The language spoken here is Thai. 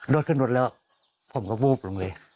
โดดขึ้นโรดดิแล้วผมก็ปลือลงเลย